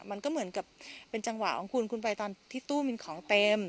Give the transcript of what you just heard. มันก็เหมือนกับเป็นจังหวะของคุณคุณไปตอนที่ตู้มันของเต็ม